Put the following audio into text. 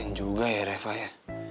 yang juga ya reva ya